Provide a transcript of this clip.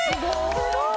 すごーい